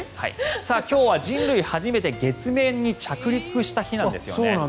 今日は人類が初めて月面に着陸した日なんですよね。